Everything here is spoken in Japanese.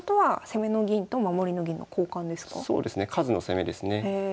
数の攻めですね。